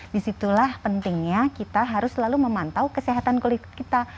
disitulah pentingnya kita harus selalu memantau kesehatan kulit kita